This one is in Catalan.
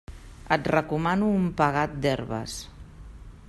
Et recomano un pegat d'herbes.